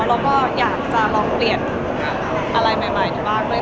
เราก็อยากจะลองเปลี่ยนอะไรใหม่ในบ้างเลย